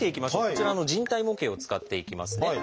こちらの人体模型を使っていきますね。